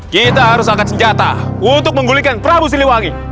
kita harus angkat senjata untuk menggulikan prabu siliwangi